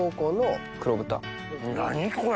何これ。